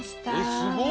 すごい！